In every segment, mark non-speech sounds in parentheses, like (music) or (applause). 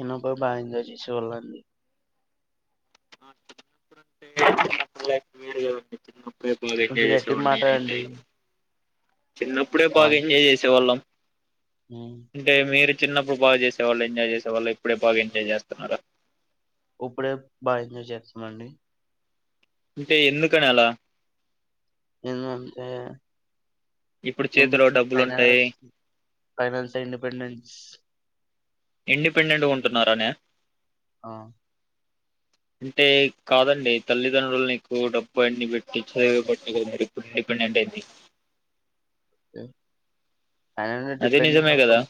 ఎన్న బో బా ఎంజాయ్ చేసేవాళ్ళ అండి చిన్నప్పుడంటే లైఫ్ వేరుకదండీ రేపు బాగా కొంచెం ఎంజాయ్ చేసే గట్టిగా వాన్ని నినైతె మాట్లాడండి చిన్నప్పుడే బాగా వాయిస్. ఎంజాయ్ చేసేవాళ్ళం హ్మ్. అంటే మీరు చిన్నప్పుడు బాగా చేసేవాళ్ళు ఎంజాయ్ చేసే వాళ్ళు ఇప్పుడే బాగా ఎంజాయ్ చేస్తున్నారా ఇప్పుడే బాగ ఎంజాయ్ చేస్తున్న అండి అంటే ఎందుకని అలా ఎను అంటే ఇప్పుడు ఇ డ్ చేతిలో డబ్బులు ఫైన ఉంటాయి స్ ఫైనాన్ ఇండిపెండెన్స్ ఇండిపెండెంట్గా ఉంటున్నారాన ఆ అంటే కాదండి తల్లిదండ్రులను ఎక్కువ డబ్బు అన్ని పెట్టిచె ఇప్పుడు ఇండిపెండెంట్ అంటే ఆ ఫైనా అది డిపెండెంట్ నిజమే కదా అవుతాం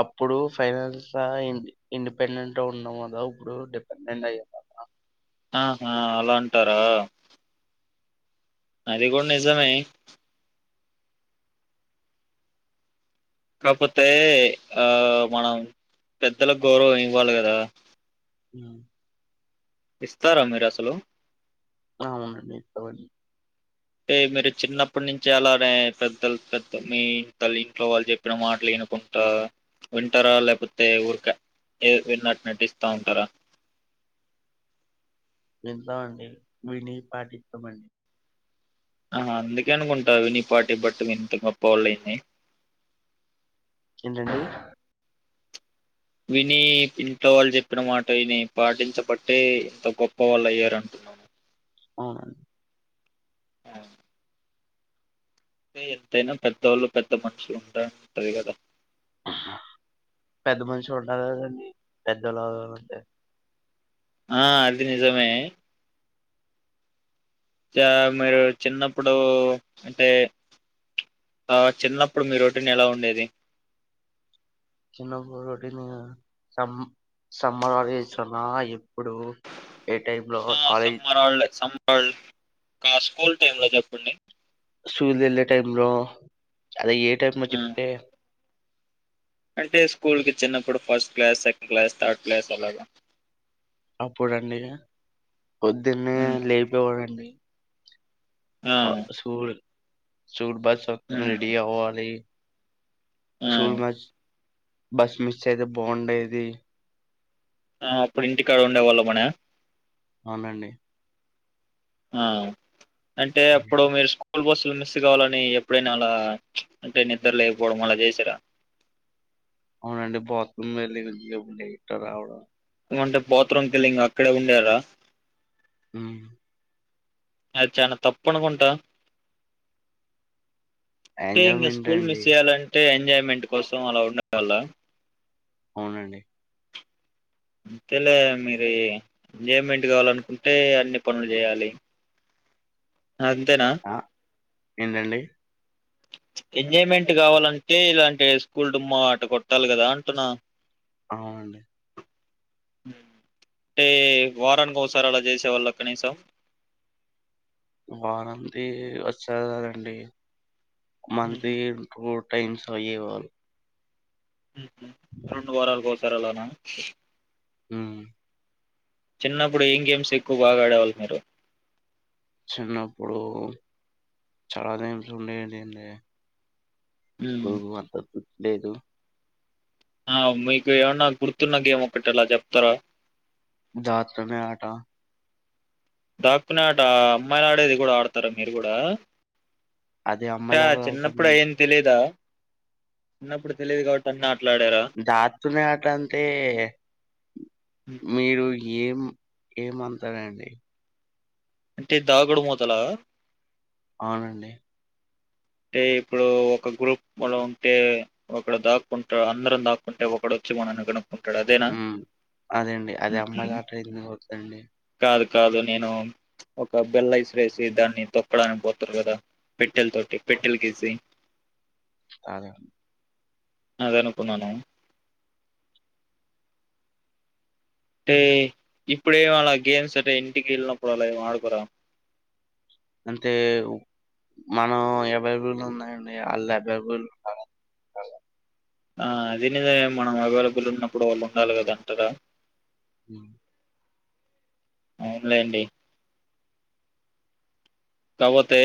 అప్పుడు ఫైనాస్స్ ఇం ఇండిపెండెంట్ గా ఉన్నాం కదా ఇప్పుడు డిపెండెంట్ అయ్యం కదా ఆహా అలా అంటారా అదిే కూడా నిజమే కాపోతే ఆ మనం పెద్దలకు గౌరవం ఇవ్వాలి కదా హుమ్ ఇస్తారా మీరసలు ఆ అవునండి ఇస్తమండి అే మీరు చిన్నప్పటి నుంచి అలానే పెద్దలు పెద్ద మీ తల్ ఇంట్లో వాళ్ళు చెప్పిన మాటలు ఇన్ అనకుంట వింటరా లేకపోతే ఊర్కా ఏ విన్నట్ నటిస్తా ఉంటారా వింట అండి విని పాటిస్తామండి ఆ అందుకే అనుకుంటావి నీ పార్టీ బట్టి ఇంత గొప్ప వాళ్ళు అయింది ఏంటండి విని ఇంట్లో వాళ్ళు చెప్పినమాట విని పాటించబట్టే ఇంత గొప్ప వాళ్ళు అయ్యారంటున్నా (inaudible) అవునం ఆ అే ఎంతైనా పెద్దవాళ్ళు పెద్ద మనుషులు ఉంట ఉంటది కదా పెద్ద మనుషులు ఉంటారు కదండి పెద్దళ్ళంటే ఆ అది నిజమే చ ఇ మీరు చిన్నప్పుడు అంటే ఆ చిన్నప్పుడు మీ రోటిన్ ఎలా ఉండేది చిన్నప్పుడు రొటీన్ ఇంగ సం సమ్మర్ హాలీడ్స్ అన్న ఎప్పుడు ఎ ఆ summer holiday summer school time లో చెప్పండి సూలు వెళ్ళే టైం లో అది ఏ టైమో ఆ, చెప్తే అంటే స్కూల్కి చిన్నప్పుడు first class second class third class అలాగా అప్పుడండి పొద్దున్నే ఉమ్. లేపెవడండి ఆ, సూ సూట్ బస్ సతు ఉమ్, రెడీ అవ్వలి ఆ, సూల్ మ బస్ మిస్ అయితే బాగుండేది ఆ అప్పుడు ఇంటికాడ ఉండేవాళ్ళ మన అవునండి ఆ అంటే అప్పుడు మీరు స్కూ స్కూల్ బస్సులు మిస్ కావాలని ఎప్పుడైనా అలా అంటే నిద్దరు లేకపోవడం అలా చేసరా (inaudible) అవునండి బాత్రూమ్ వెళ్ళి ఇటర్ రావడం ఏమంటే బత్రూం కళ్లింగ్ అక్కడే ఉండారా ఉమ్ అది చానా తప్ప అనుకుంటా అంటే ఇంక ఎంజాయ్మెంట్ స్కూల్ అండి మిస్ చేయాలంటే ఎంజాయ్మెంట్ కోసం అలా ఉండల అవునండి అంతేలే మీరు ఎంజాయ్మెంట్ కావాలనుకుంటే అన్ని పనులు చేయాలి అంతేనా ఆ ఏంటండి ఎంజాయ్మెంట్ కావాలంటే ఇలాంటిే స్కూల్ డుమ్మా ఆట కొట్టాలి కదా అంటున్నా అవుండి అంటే వారానికి ఒకసారి అలా చేసేవాళ్ళు కనీసం (inaudible) వారంది వచ్చారు కదండి హ్మ్. మంది ఇ టైమ్స్య వాళ్ళు రెండు వారాల కోసారి అలానా హ్మ్ చిన్నప్పుడు ఏం గేమ్స్ ఎక్కువ బాగాడేవాళ్ళు మీరు చిన్నప్పుడు చాలా గేమ్స్ ఉండేదిండి హ్మ్. అద్ద (unintelligible) లేదు ఆ మీకు ఏమన్నా గుర్తున్న గేమ్ ఒకటి అలా చెప్తారా దాచడమే ఆట దాక్కునే ఆట అమ్మాయిలు ఆడేది కూడా ఆడతారా మీరు కూడా అదే అంటే అమ్మాయిలు ఎవరు చిన్నప్పుడు ఆడతారండి అయ్యేం తెలిదా చిన్నప్పుడు తెలియదు కాబట్టి అని దక్కునే ఆట అంటే మీరు ఏం ఏమంతారండి అంటే దాగుడు మూతల అవునండి అంటే ఇప్పుడు ఒక గ్రూప్లో ఉంటే ఒకడ దాక్కుంటూ అందరం దాక్కుంటే ఒకడు వచ్చి మనడం ఉ అదేండి అదే ఉహు అమ్మాయిలా ఆట ఎందుకు అవుదండి కాదు కాదు నేను ఒక బెల్లా ఇసిరెసి దాన్ని తొక్కడానికి పోతారు కదా పెట్టెల తోటి పెట్టల్ గీసి రాదండి అదే అనుకున్నాను అంటే ఇప్పుడేమ అలా గేమ్స్ అంటే ఇంటికి వెళ్ళినప్పుడు అలా ఏమ్ ఆడుకోర అంటే మనం అవైలబుల్ ఉన్నాయండి వాళ్ళు అవైలబుల్ ఉ అలా ఆ అదేనేదై మనం అవైలబుల్ ఉన్నప్పుడు వాళ్ళు ఉండాలి కదా ఉంటారా ఉమ్ అవునులేండి కపోతే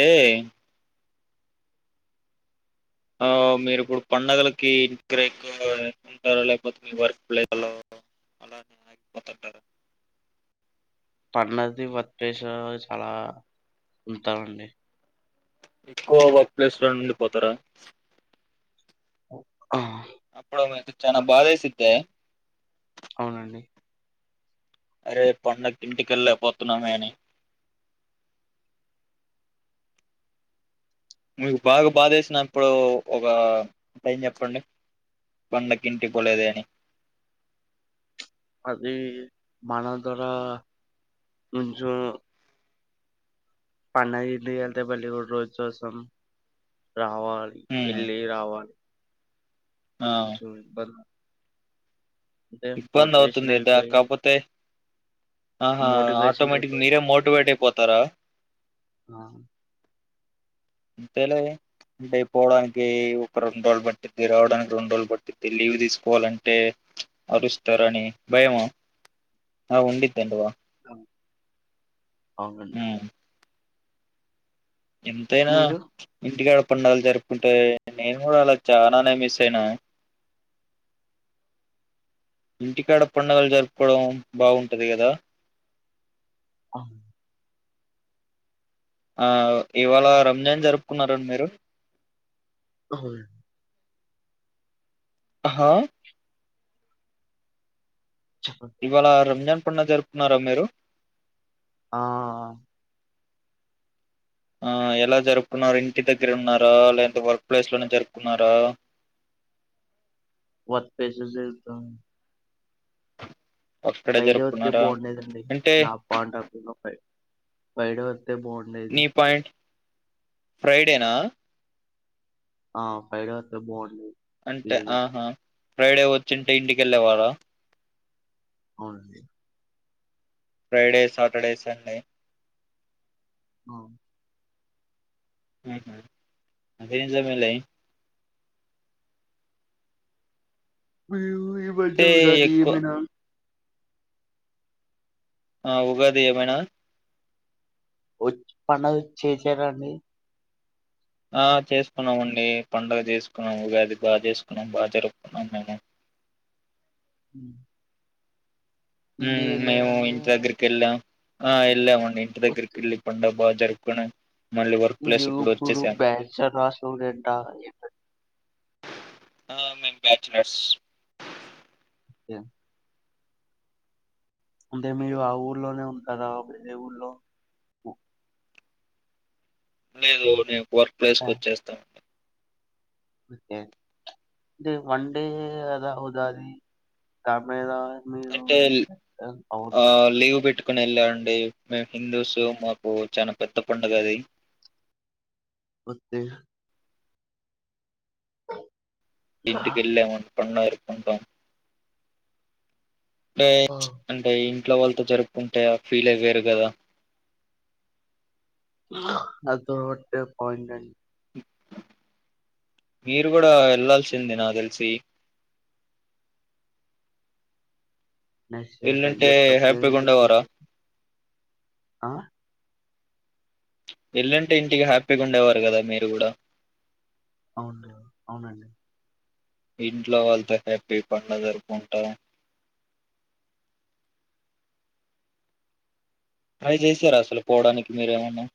ఆ మీరు ఇప్పుడు పండుగలకు ఇంటి దగ్గర ఎక్కువ ఉంటారు లేకపోతే మీ వర్క్ ప్లేస్లో. అలా నే ఆగిపోతుంటారా. పండుగది వర్క్ ప్లస్ షా చాలా ఉంటమండి. ఎక్కువ వర్క్ ప్లేస్ లో నుండి పోతారా. ఆ ఓ ఆది చానా బాధేసిద్దే అవునండి. అరే పండగ ఇంటికెళ్లేకపోతున్నామేని. మీకు బాగా బాధేసినప్పుడు ఒక టైం చెప్పండి. పండక్కి ఇంటికి పోలేదేని. అది మన దార నుంచో పండగకి ఇంటికెళ్తే బాలే ఓ రోజుకోసం రావాలి హ్మ్ ఎల్లి రావాలి. ఆ కొంచెం ఇబ్బంది. అంటే ఇబ్బంది మోటివేషన్ అవుతుంది ఇదా అయిపోయి కాపోతే ఆహా మోటివేషన్ ఆటోమేటిక్ అయిపోయి మీరే మోటివేట్ అయిపోతారా ఆ! అంతేలే. అంటే పోవడానికి ఒక రెండు రోజులు పట్టిది రావడానికి రెండు రోజులు పట్టిది లీవ్ తీసుకోవాలంటే అరుస్తరని భయము ఆ ఉండిది వా అవును అవునండి హ్మ్ ఎంతైనా మీరు? ఇంటికాడ పండుగలు జరుపుకుంటే నేను కూడా అలా చానానే మిస్ అయినా. ఇంటికాడ పండుగలు జరుపుకోవడం బాగుంటది కదా. ఆ ఆ ఇవాళ రంజాన్ జరుపుకున్నరా మీరు. హా ఆహా చెప్పండి. ఇవాళ రంజాన్ పండుగ జరుపున్నారా మీరు ఆ ఆ ఆ ఎలా జరుపుకున్నారు ఇంటి దగ్గర ఉన్నారా లేదంటా వర్క్ ప్లేస్ లోనే జరుపుకున్నారా (inaudible) వర్ పేసేట్లజుతమ్ అక్కడే ఫైడే వతే జరుపుకున్నారా బాగుండేదండి అంటే నా పండాకులో ఫై ఫైడే వరకు వస్తె బాగుండేది నీ పాయింట్ ఫ్రైడేనా ఆ ఫైడే అస్తే బాగుండు అంటే ఆహా ఫ్రైడే వచ్చింటే ఇంటికెళ్ళేవారా అవునండి ఫ్రైడే సాటర్డే సండే అ ఊహ్మ్ అది నిజమేలే అయ్యో ఈ వర్జ అయితే ఉగాది దీ ఎక్కువ ఏమైనా ఆ ఉగాది ఏమైనా వచ్ పండగో చేసార అండి ఆ చేసుకున్నామండి పండుగ చేసుకున్నాం ఉగాది బాగా చేసుకున్నాం బాగా జరుపుకున్నాం మేము ఊమ్ ఊమ్ మేము ఇంటి దగ్గరికి కెళ్ళాం ఆ ఎళ్ళామండి ఇంటి వచ్చి దగ్గరికెళ్ళి పండగ బా జరు కున్నం అయి ఇప్పుడు బ్యాంచర్ రాసడంట ఆ మేమ్ బ్యాచలర్స్ యా అంటే మీరు ఆ ఊర్లోనే ఉంటరా వేరే ఊర్లో లేదు నేను వర్క్ ప్లేస్ ఓకే కు ఒచ్చేస్తా ఓకే అంటె వన్డే ద ఉగాది (unintelligible) మీద మీరు అంటే ల్ ఆ లీవ్ పెట్టు కొనేళ్ళా అండీ మేమ్ హిందూస్ మాకు చానా పెద్ద పండుగ అది ఒకే ఇంటికెళ్ళాం పండగ జర్పకుంటాం పేర్చ్ అంటె యిన్ ఇంట్లో వాళ్ళతో జరుపుకుంటె ఆ ఫీలే వేరు గదా నాతో ఒట్టే ఫోన్ జేయి మీరు గూడా ఎళ్లాల్సింది నాదెల్సి నెక్స్ట్ ఇయర్ ట్రై ఎల్లుంటే జెత్త హ్యాపీగా ఉండేవారా (unintelligible) వెళ్ళుంటే ఇంటికి హ్యాపీగా ఉండేవారు గదా మీరు గూడ అవున అవునండి ఇంట్లో వాళ్ళతో హ్యాపీ పండుగ జర్పుకుంటా (inaudible) ట్రై జేశార అసలు పోడానికి మీరేమన్నా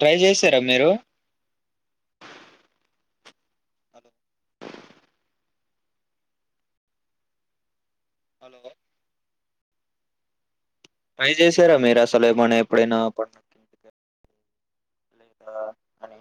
ట్రై జేసారా మీరు హలో ట్రై జేసారా మీరసలు ఏమన్నా ఎపుడైనా పండక్కి గాని లేదా అని